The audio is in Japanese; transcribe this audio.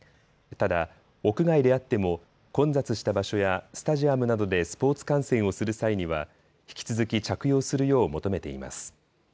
ただ屋外であっても混雑した場所やスタジアムなどでスポーツ観戦をする際には引き続き着用するよう求めています。